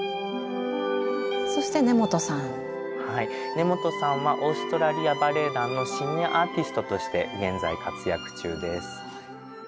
根本さんはオーストラリア・バレエ団のシニア・アーティストとして現在活躍中です。